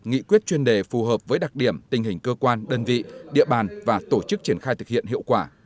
nghị quyết chuyên đề phù hợp với đặc điểm tình hình cơ quan đơn vị địa bàn và tổ chức triển khai thực hiện hiệu quả